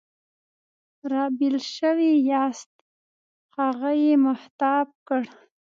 را بېل شوي یاست؟ هغه یې مخاطب کړ.